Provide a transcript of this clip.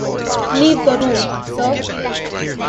Leave the room, Sir.